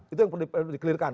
itu yang perlu dikelirkan